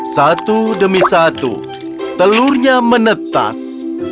satu demi satu telurnya menetas